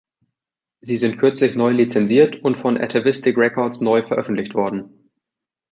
Sie sind kürzlich neu lizenziert und von Atavistic Records neu veröffentlicht worden.